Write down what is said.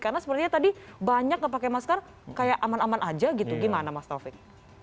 karena sepertinya tadi banyak yang pakai masker kayak aman aman aja gitu gimana mas taufik